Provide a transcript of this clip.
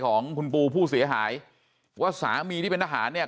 ของคุณปูผู้เสียหายว่าสามีที่เป็นทหารเนี่ย